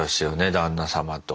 旦那様と。